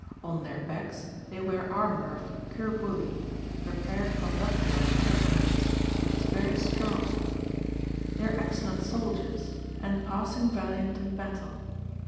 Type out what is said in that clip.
On their backs they wear armour of cuirbouly, prepared from buffalo and other hides, which is very strong.^ They are excellent soldiers, and passing valiant in battle.